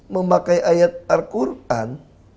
memakai ayat al quran